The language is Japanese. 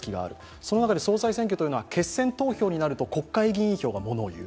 その中で総裁選挙というのは決選投票になると国会投票が物を言う。